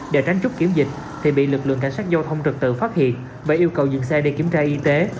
để tránh chút kiểm dịch thì bị lực lượng cảnh sát giao thông trật tự phát hiện và yêu cầu dừng xe để kiểm tra y tế